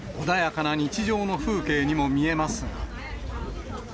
穏やかな日常の風景にも見えますが。